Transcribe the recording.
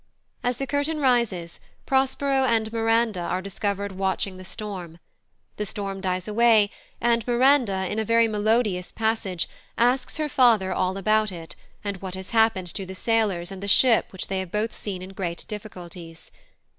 As the curtain rises, Prospero and Miranda are discovered watching the storm; the storm dies away, and Miranda, in a very melodious passage, asks her father all about it, and what has happened to the sailors and the ship which they have both seen in great difficulties.